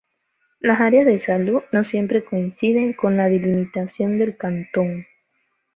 Las áreas de salud no siempre coinciden con la delimitación del cantón.